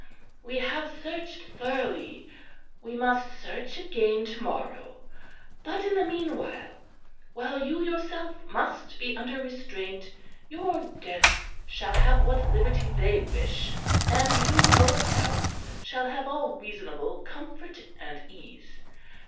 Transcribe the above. We have searched thoroughly; we must search again to morrow; but in the meanwhile, while you yourself must be under restraint, your guests shall have what liberty they wish; and you yourself shall have all reasonable comfort and ease.